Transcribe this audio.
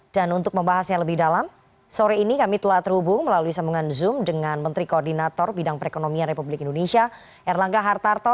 dan untuk membahasnya lebih dalam sore ini kami telah terhubung melalui sambungan zoom dengan menteri koordinator bidang perekonomian republik indonesia erlangga hartarto